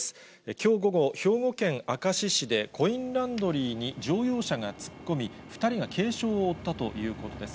きょう午後、兵庫県明石市で、コインランドリーに乗用車が突っ込み、２人が軽傷を負ったということです。